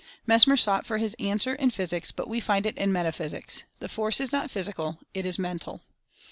Mesmer sought for his answer in physics — but we find it in metaphysics. The force is not physical — it is mental.